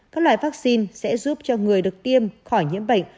các loại vắc xin sẽ giúp cho người được tiêm khỏi nhiễm bệnh